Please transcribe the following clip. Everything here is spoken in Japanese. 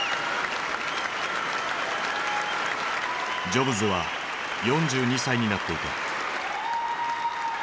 ジョブズは４２歳になっていた。